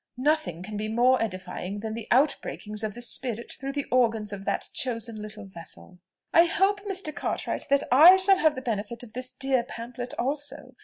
Nothing can be more edifying than the out breakings of the Spirit through the organs of that chosen little vessel." "I hope, Mr. Cartwright, that I shall have the benefit of this dear pamphlet also.